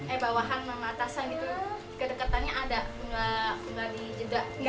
eh bawahan sama atasan gitu kedekatannya ada nggak dijeda